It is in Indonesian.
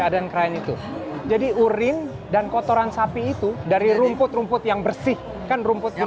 ada yang krain itu jadi urin dan kotoran sapi itu dari rumput rumput yang bersih kan rumput yang